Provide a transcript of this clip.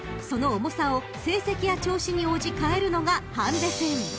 ［その重さを成績や調子に応じ変えるのがハンデ戦］